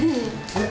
えっ？